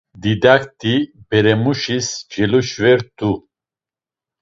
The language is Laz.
Didakti beremuşis celuşvert̆u.